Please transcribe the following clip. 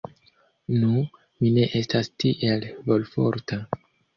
Nu, mi ne estas tiel volforta.